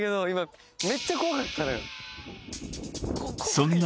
そんな